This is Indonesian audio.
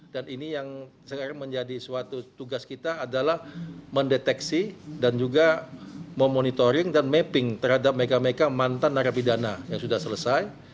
dan ini yang sekarang menjadi suatu tugas kita adalah mendeteksi dan juga memonitoring dan mapping terhadap mereka mereka mantan narapidana yang sudah selesai